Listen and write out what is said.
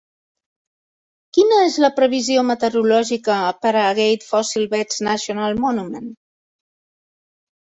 Quina és la previsió meteorològica per a Agate Fossil Beds National Monument?